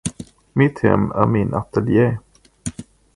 Mitt hem är min ateljé.